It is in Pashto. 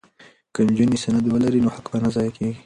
که نجونې سند ولري نو حق به نه ضایع کیږي.